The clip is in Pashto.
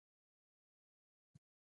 د ګاونډیانو حق مراعات کوئ؟